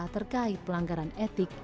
terkait pelanggaran etik